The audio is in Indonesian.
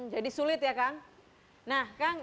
jadi sulit ya kang